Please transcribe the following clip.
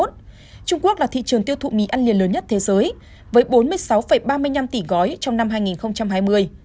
trung quốc là thị trường tiêu thụ mì ăn liền lớn nhất thế giới với bốn mươi sáu ba mươi năm tỷ gói trong năm hai nghìn hai mươi